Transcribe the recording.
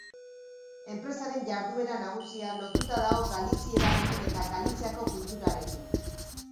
Enpresaren jarduera nagusia lotuta dago Galizierarekin eta Galiziako kulturarekin.